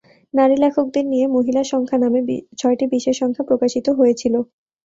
নারী লেখকদের নিয়ে "মহিলা সংখ্যা" নামে ছয়টি বিশেষ সংখ্যা প্রকাশিত হয়েছিল।